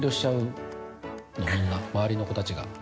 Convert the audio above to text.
みんな周りの子たちが。